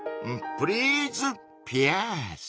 プリーズピアース。